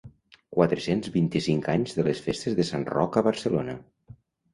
Quatre-cents vint-i-cinc anys de les Festes de Sant Roc a Barcelona.